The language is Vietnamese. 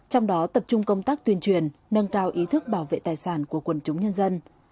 trong đó tập trung công tác tuyên truyền nâng cao ý thức bảo vệ tài sản của quần chúng nhân dân